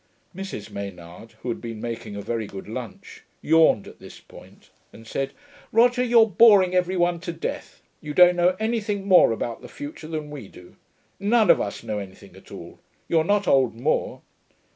Mrs. Maynard, who had been making a very good lunch, yawned at this point, and said, 'Roger, you're boring every one to death. You don't know anything more about the future than we do. None of us know anything at all. You're not Old Moore.'